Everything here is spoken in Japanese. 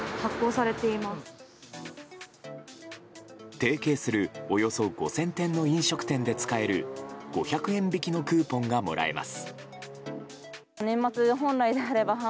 提携する、およそ５０００店の飲食店で使える５００円引きのクーポンがもらえます。